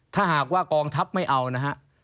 ถ้าหากว่ากองทัพไม่เอานะฮะ